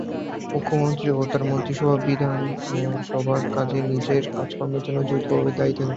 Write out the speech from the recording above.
মুখ্যমন্ত্রী ও তাঁর মন্ত্রিসভা বিধানসভার কাজে নিজের কাজকর্মের জন্য যৌথভাবে দায়ী থাকেন।